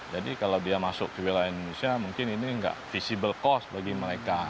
jadi kalau dia masuk ke wilayah indonesia mungkin ini tidak visible cost bagi mereka